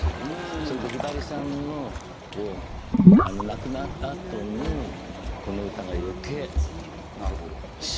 それでひばりさんの亡くなったあとにこの歌が余計染みたのよ。